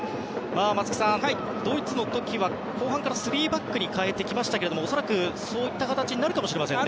松木さん、ドイツの時は後半から３バックに変えてきましたが恐らくそういった形になるかもしれませんね。